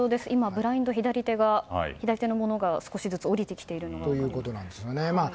ブラインド、左手のものが少しずつ下りてきています。